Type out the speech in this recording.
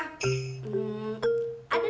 kok mau tahu aja sih